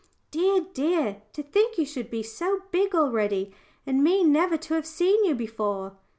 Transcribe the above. "Dear, dear! to think you should be so big already, and me never to have seen you before!"